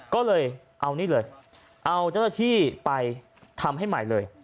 ก็เลยเอานี่เลยเอาเจ้าหน้าที่ไปทำให้ใหม่เลย